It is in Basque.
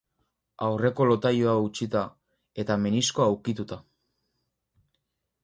Aurreko lotailua hautsita eta meniskoa ukituta.